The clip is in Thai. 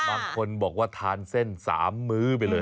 บางคนบอกว่าทานเส้น๓มื้อไปเลย